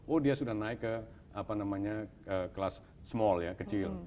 oh dia sudah naik ke kelas small ya kecil